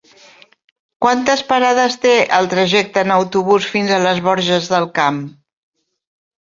Quantes parades té el trajecte en autobús fins a les Borges del Camp?